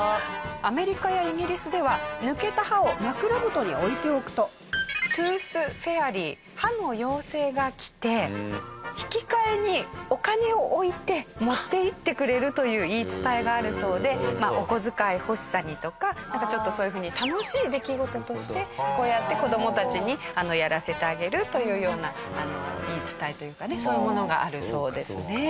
アメリカやイギリスでは抜けた歯を枕元に置いておくとトゥース・フェアリー歯の妖精が来て引き換えにお金を置いて持っていってくれるという言い伝えがあるそうでお小遣い欲しさにとかなんかちょっとそういう風に楽しい出来事としてこうやって子どもたちにやらせてあげるというような言い伝えというかねそういうものがあるそうですね。